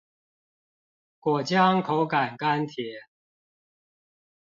果漿口感甘甜